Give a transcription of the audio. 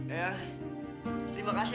iya terima kasih ya